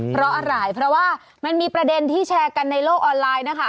เพราะอะไรเพราะว่ามันมีประเด็นที่แชร์กันในโลกออนไลน์นะคะ